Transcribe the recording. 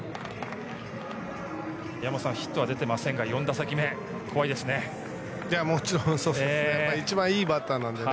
ヒットは出ていませんが４打席目、怖いですね。